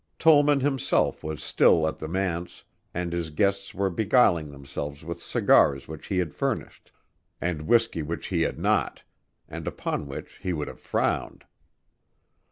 Tollman himself was still at the manse, and his guests were beguiling themselves with cigars which he had furnished, and whiskey which he had not and upon which he would have frowned.